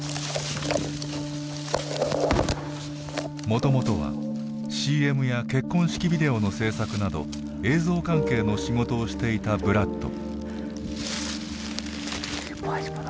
もともとはＣＭや結婚式ビデオの制作など映像関係の仕事をしていたブラッド。